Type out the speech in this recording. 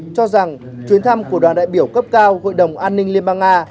cho rằng chuyến thăm của đoàn đại biểu cấp cao hội đồng an ninh liên bang nga